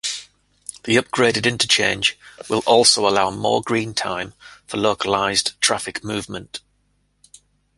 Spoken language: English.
The upgraded interchange will also allow more green time for localized traffic movement.